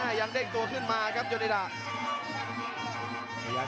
อ้ายังเด้งตัวขึ้นมาครับยูนิดา